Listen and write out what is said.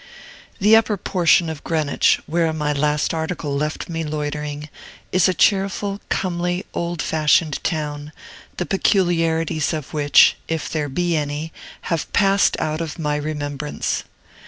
The upper portion of Greenwich (where my last article left me loitering) is a cheerful, comely, old fashioned town, the peculiarities of which, if there be any, have passed out of my remembrance.